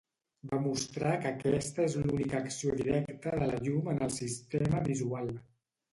Va mostrar que aquesta és l'única acció directa de la llum en el sistema visual.